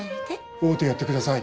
会うてやってください。